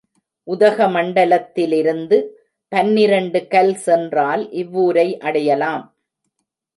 உதகமண்டலத்திலிருந்து பனிரண்டு கல் சென்றால் இவ்வூரை அடையலாம்.